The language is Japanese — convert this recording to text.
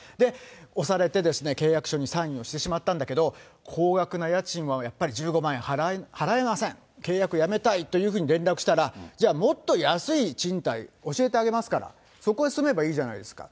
押されて、契約書にサインをしてしまったんだけど、高額な家賃はやっぱり１５万円、払えません、契約やめたいというふうに連絡したら、じゃあ、もっと安い賃貸、教えてあげますから、そこへ住めばいいじゃないですか。